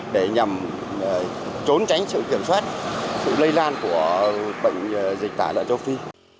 để nhằm trốn tránh sự kiểm soát sự lây lan của bệnh dịch tả lợn châu phi